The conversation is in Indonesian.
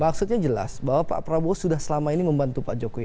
maksudnya jelas bahwa pak prabowo sudah selama ini membantu pak jokowi